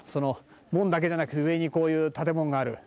門だけじゃなく上にこういう建物がある。